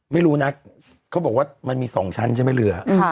ไม่รู้นะเขาบอกว่ามันมี๒ชั้นใช่ไหมเรือ